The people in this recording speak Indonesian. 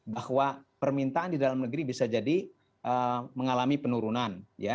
bahwa permintaan di dalam negeri bisa jadi mengalami penurunan